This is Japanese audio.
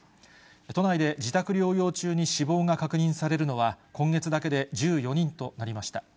都内で自宅療養中に死亡が確認されるのは、今月だけで１４人となりました。